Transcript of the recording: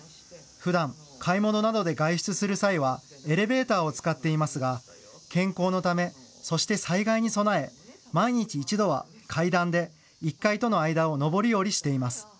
ふだん買い物などで外出する際はエレベーターを使っていますが健康のため、そして災害に備え毎日１度は階段で１階との間を上り下りしています。